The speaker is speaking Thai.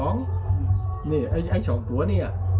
นี่ไอ้๒ตัวเนี่ย